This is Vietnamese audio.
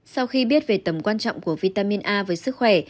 sau khi biết về tầm quan trọng của vitamin a với sức khỏe